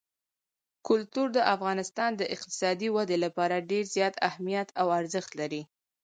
کلتور د افغانستان د اقتصادي ودې لپاره ډېر زیات اهمیت او ارزښت لري.